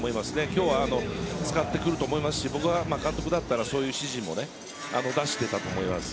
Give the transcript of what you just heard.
今日は使ってくると思いますし僕が監督だったらそういう指示も出していたと思います。